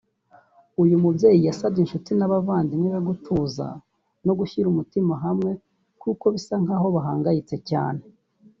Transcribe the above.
uyu mubyeyi yasabye inshuti n’abavandimwe be gutuza no gushyira umutima hamwe kuko bisa nk’aho bahangayitse cyane